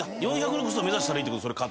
ルクスを目指したらいいってこと？